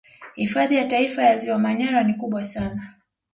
Hifadhi ya Taifa ya ziwa Manyara ni kubwa sana